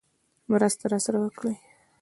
مرسته راسره وکړي.